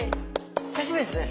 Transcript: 久しぶりですね。